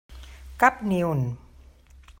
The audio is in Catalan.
Cap ni un.